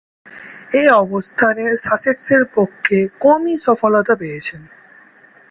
এ অবস্থানে সাসেক্সের পক্ষে কমই সফলতা পেয়েছেন।